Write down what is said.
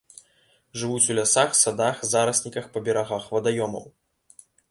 Жывуць у лясах, садах, зарасніках па берагах вадаёмаў.